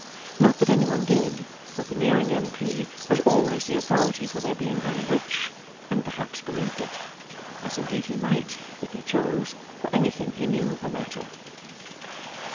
Not that any one did, for Veneering, M.P., was always the authority for their being very rich, and perhaps believed it. As indeed he might, if he chose, for anything he knew of the matter.